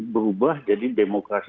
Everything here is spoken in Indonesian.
berubah jadi demokrasi